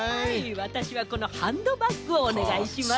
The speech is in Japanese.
わたしはこのハンドバッグをおねがいします。